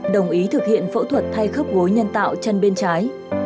đồng ý thực hiện phẫu thuật thay khớp gối nhân tạo chân bên trái